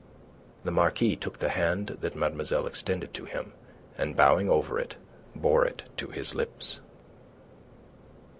The Marquis took the hand that mademoiselle extended to him, and bowing over it, bore it to his lips.